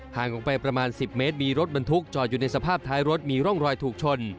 ออกไปประมาณ๑๐เมตรมีรถบรรทุกจอดอยู่ในสภาพท้ายรถมีร่องรอยถูกชน